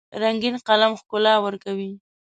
رنګین قلم ښکلا ورکوي.